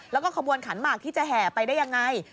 แล้วก็ขบวนขันหมากที่จะแห่ไปได้ยังไง